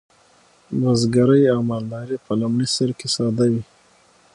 بزګري او مالداري په لومړي سر کې ساده وې.